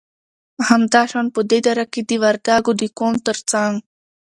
همدا شان په دې دره کې د وردگو د قوم تر څنگ